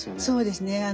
そうですね。